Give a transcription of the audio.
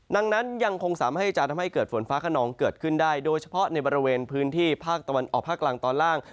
ดังนั้นยังคงสามารถให้จะทำให้เกิดฝนฟ้าขนองเกิดขึ้นได้โดยเฉพาะในบริเวณพื้นที่ภาคตะวันออกภาคกลางตอนล่าง